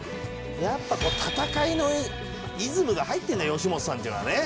やっぱこう戦いのイズムが入ってるんだ吉本さんっていうのはね。